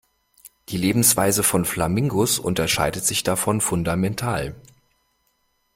Die Lebensweise von Flamingos unterscheidet sich davon fundamental.